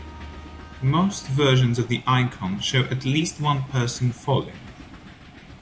Most versions of the icon show at least one person falling.